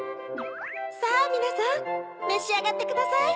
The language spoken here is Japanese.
さぁみなさんめしあがってください！